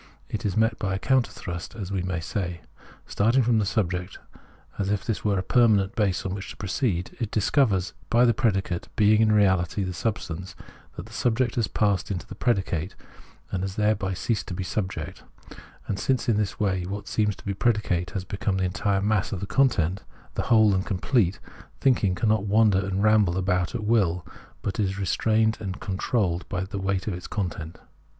It is met by a counter thrust, as we may say. Starting from the subject, as if this were a permanent base on which to proceed, it discovers, by the predicate being in reahty the substance, that the subject has passed into the predicate, and has thereby ceased to be subject : and since in this way what seems to be predicate has become the entire mass of the content, whole and complete, thinking cannot wander and ramble about at will, but is restrained and con trolled by this weight of content.